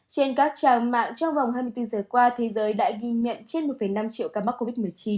trên các trang mạng trong vòng hai mươi bốn giờ qua thế giới đã ghi nhận trên một năm triệu ca mắc covid một mươi chín